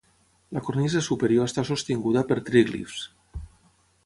La cornisa superior està sostinguda per tríglifs.